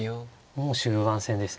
もう終盤戦ですね。